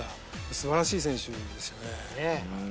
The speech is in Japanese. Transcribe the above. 素晴らしい選手ですよね。